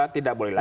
tidak boleh lagi